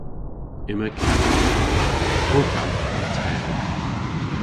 Yma kath dhymm. Ow hath yw teg.